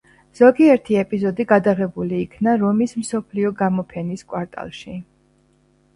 ზოგიერთი ეპიზოდი გადაღებული იქნა რომის მსოფლიო გამოფენის კვარტალში.